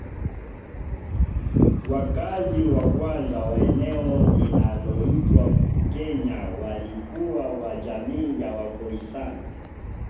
Wakazi wa kwanza wa eneo linaloitwa Kenya walikuwa wa jamii ya Wakhoisan